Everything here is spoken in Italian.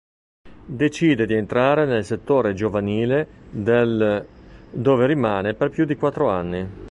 Decide di entrare nel settore giovanile dell', dove rimane per più di quattro anni.